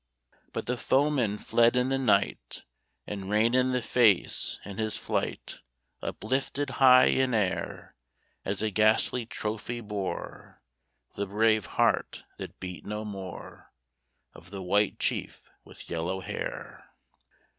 But the foemen fled in the night, And Rain in the Face, in his flight, Uplifted high in air As a ghastly trophy, bore The brave heart, that beat no more, Of the White Chief with yellow hair.